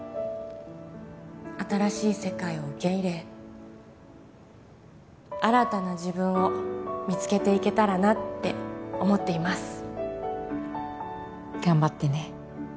新しい世界を受け入れ新たな自分を見つけていけたらなって思っています頑張ってね